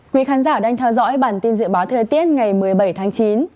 quý khán giả đang theo dõi bản tin dự báo thời tiết ngày một mươi bảy tháng chín